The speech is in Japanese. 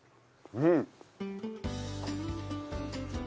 うん。